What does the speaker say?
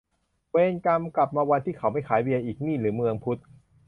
เวรกรรม กลับมาวันที่เขาไม่ขายเบียร์อีก นี่หรือเมืองพุทธ !